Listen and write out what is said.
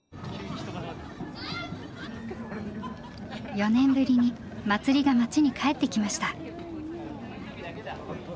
４年ぶりに祭りが町に帰ってきました。